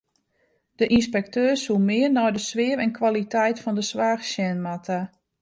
De ynspekteur soe mear nei de sfear en kwaliteit fan de soarch sjen moatte.